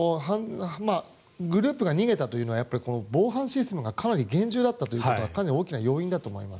グループが逃げたというのは防犯システムがかなり厳重だったということがかなり大きな要因だと思います。